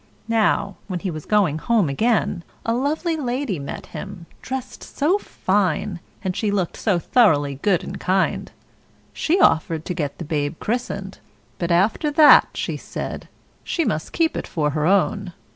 Now, when he was going home again, a lovely lady met him, dressed so fine, and she looked so thoroughly good and kind; she offered to get the babe christened, but after that, she said, she must keep it for her own.